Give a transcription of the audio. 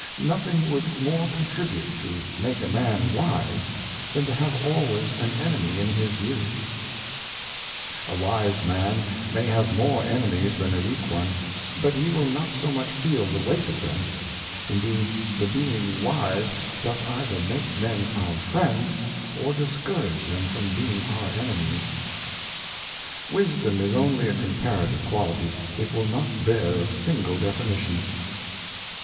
Nothing would more contribute to make a Man wise, than to have always an Enemy in his view. A wise Man may'have more Enemies than a weak one, but he will not so much feel the weight of them. Indeed the being wise doth either make Men our Friends, or discourage them from being our Enemies. Wisdom is only a comparative Quality, it will not bear a single Definition.